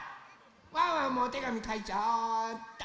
ワンワンもおてがみかいちゃおっと。